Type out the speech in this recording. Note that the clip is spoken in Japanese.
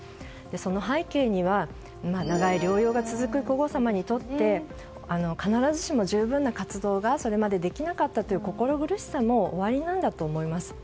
その背景には長い療養が続く皇后さまにとって必ずしも十分な活動がそれまでできなかったという心苦しさもおありなんだと思います。